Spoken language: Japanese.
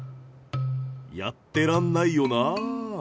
やってらんないよな。